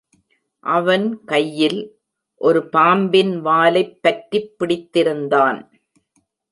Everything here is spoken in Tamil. அவன் கையில், ஒரு பாம்பின் வாலைப் பற்றிப் பிடித்திருந்தான்.